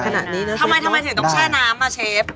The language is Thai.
ทำไมถึงต้องแช่น้ำนะเชฟ